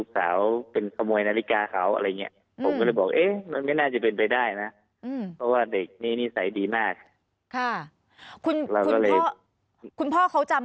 แต่สองคนนี้แหละคือเด็กที่เราคุ้นเคยนะคะ